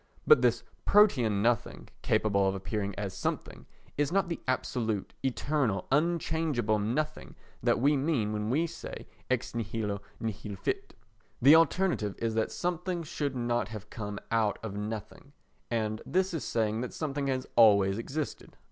But this Protean nothing, capable of appearing as something, is not the absolute, eternal, unchangeable nothing that we mean when we say ex nihilo nihil fit. The alternative is that something should not have come out of nothing, and this is saying that something has always existed.